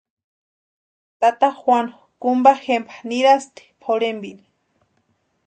Tata Juanu kumpa jempa nirasïnti pʼorhempini.